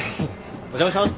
お邪魔します！